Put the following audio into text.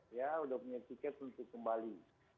dia sudah punya tiket untuk kembali